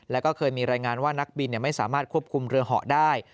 แล้วก็เคยมีรายงานว่านักบินไม่สามารถควบคุมเรือเหาะได้